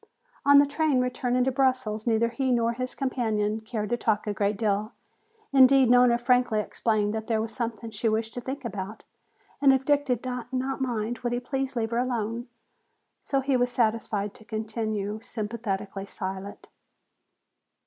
On the train returning to Brussels neither he nor his companion cared to talk a great deal. Indeed, Nona frankly explained that there was something she wished to think about, and if Dick did not mind, would he please leave her alone. So he was satisfied to continue sympathetically silent.